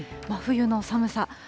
真冬の寒さ。